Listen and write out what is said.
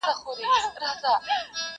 چي مي د اوښکو لاره ستړې له ګرېوانه سوله.!